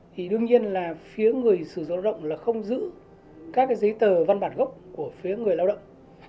thì đương nhiên là phía người sử dụng lao động là không giữ các cái giấy tờ văn bản gốc của phía người lao động